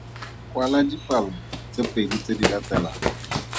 Kwala dipalo tse pedi tse di latelang.